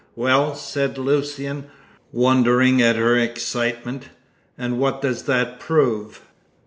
"Well," said Lucian, wondering at her excitement, "and what does that prove?"